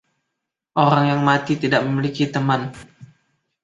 Orang yang mati tidak memiliki teman.